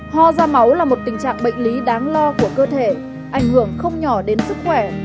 ho da máu là một tình trạng bệnh lý đáng lo của cơ thể ảnh hưởng không nhỏ đến sức khỏe